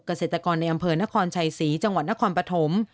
เกษตรกรในอำเภอนครชัยศรีจังหวัดนครปฐม